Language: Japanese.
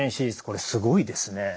これすごいですね。